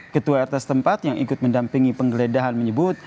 ketua rt setempat yang ikut mendampingi penggeledahan menyebut